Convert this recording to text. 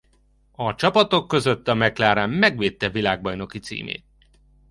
A csapatok között a McLaren megvédte világbajnoki címét.